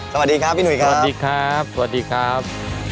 สวัสดีครับพี่หนุ่ยครับ